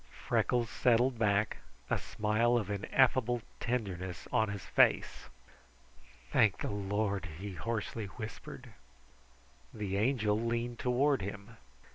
Freckles settled back, a smile of ineffable tenderness on his face. "Thank the Lord!" he hoarsely whispered. The Angel leaned toward him.